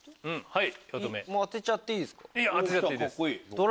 はい！